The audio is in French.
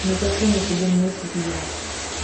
Mais personne ne se démenait suffisamment.